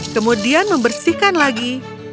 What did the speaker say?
kemudian membersihkan lagi